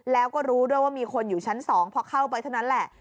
แล้วก็รู้ด้วยว่ามีคนอยู่ชั้น๒พอเข้าไปเท่านั้นแหละ